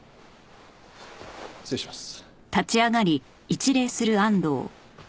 失礼します。